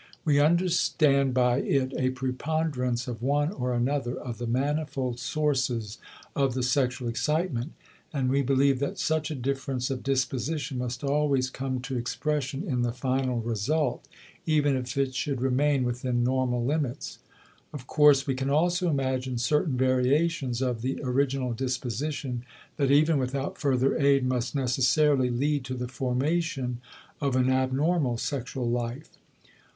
We understand by it a preponderance of one or another of the manifold sources of the sexual excitement, and we believe that such a difference of disposition must always come to expression in the final result, even if it should remain within normal limits. Of course, we can also imagine certain variations of the original disposition that even without further aid must necessarily lead to the formation of an abnormal sexual life.